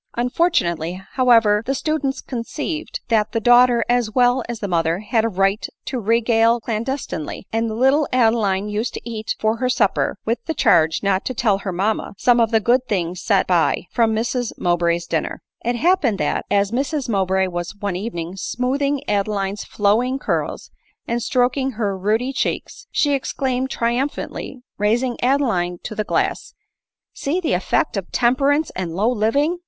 Unfortunately, however, the servants conceived that the daughter as well as the mother had a right to regale clandestinely ; and the little Adeline used to eat for her supper, with a charge not to tell her mamma, some of the good things set by from Mrs Mowbray's dinner. It happened that, as Mrs Mowbray was one evening smoothing Adeline's flowing curls, and stroking her ruddy cheek, she exclaimed triumphantly, raising Adeline to the glass, " See the effect of temperance and low living